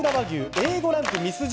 Ａ５ランクのミスジ